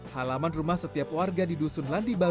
halaman rumah setiap warga di dusunan ini juga berubah